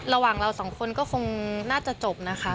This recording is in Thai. ระหว่างเราสองคนก็คงน่าจะจบนะคะ